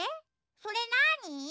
それなに？